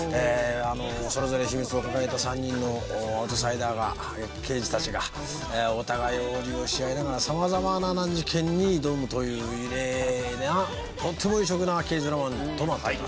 それぞれ秘密を抱えた３人のアウトサイダーが刑事たちがお互いを利用し合いながら様々な難事件に挑むという異例なとても異色な刑事ドラマとなっております。